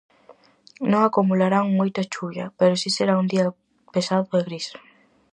Non acumularán moita chuvia, pero si será un día pesado e gris.